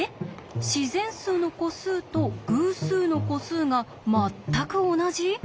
自然数の個数と偶数の個数がまったく同じ！？